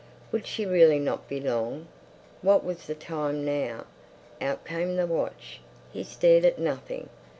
Would she really not be long? What was the time now? Out came the watch; he stared at nothing.